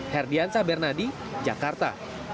herdian sabernadi jakarta